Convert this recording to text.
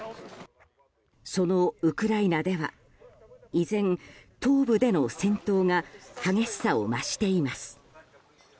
そのウクライナでは依然、東部での戦闘が激しさを増しています。